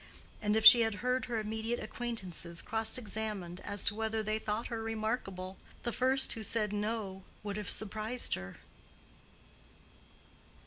And if she had heard her immediate acquaintances cross examined as to whether they thought her remarkable, the first who said "No" would have surprised her.